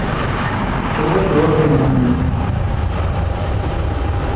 ওদের দোষ দেই না আমি।